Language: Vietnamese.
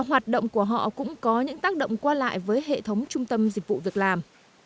hoạt động của họ cũng có những tác động qua lại với hệ thống trung tâm dịch vụ việc làm